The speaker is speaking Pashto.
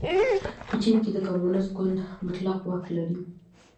په چین کې کمونېست ګوند مطلق واک لري.